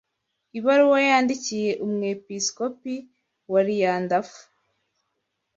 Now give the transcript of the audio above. Ibaruwa yandikiye Umwepiskopi wa Liyandafu